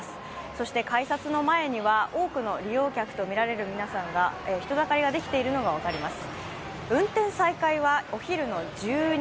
そして改札の前には多くの利用客とみられる皆さんが、人だかりができているのが分かります。